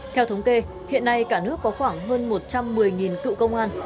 theo thống kê hiện nay cả nước có khoảng hơn một trăm một mươi cựu công an